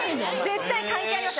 絶対関係あります。